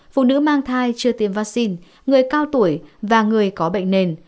phụ nữ mang thai chưa tiêm vaccine người cao tuổi và người có bệnh nền